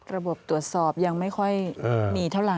ระบบตรวจสอบยังไม่ค่อยมีเท่าไหร